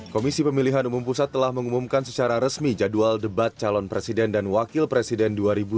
komisi pemilihan umum pusat telah mengumumkan secara resmi jadwal debat calon presiden dan wakil presiden dua ribu dua puluh